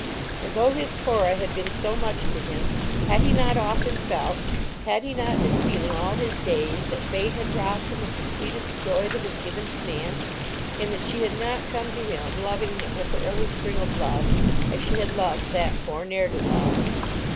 And though his Cora had been so much to him, had he not often felt, had he not been feeling all his days, that Fate had robbed him of the sweetest joy that is given to man, in that she had not come to him loving him with her early spring of love, as she had loved that poor ne'er do well?